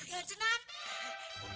nek sama lu ya